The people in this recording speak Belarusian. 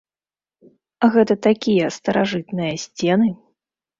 Гэта такія старажытныя сцены!